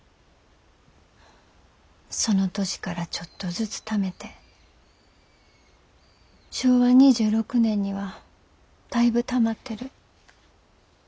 その年からちょっとずつためて昭和２６年にはだいぶたまってる。